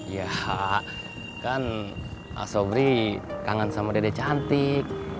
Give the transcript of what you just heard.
ya kan asobri kangen sama dede cantik